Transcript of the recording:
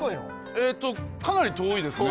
えっとかなり遠いですね。